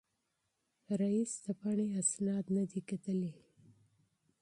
رییس د پاڼې اسناد نه دي کتلي.